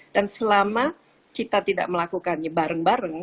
dan selama kita tidak melakukannya bareng bareng